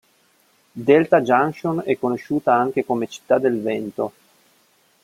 Delta Junction è conosciuta anche come "città del vento".